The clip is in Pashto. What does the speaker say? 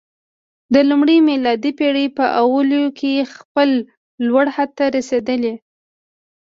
د لومړۍ میلادي پېړۍ په اوایلو کې خپل لوړ حد ته رسېدلی